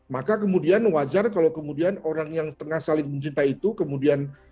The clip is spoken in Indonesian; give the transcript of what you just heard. maka kemudian wajar kalau kemudian orang yang tengah saling mencintai itu kemudian